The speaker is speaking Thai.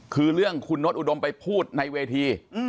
คือเรื่องคุณนดอุดมไปพูดในเวที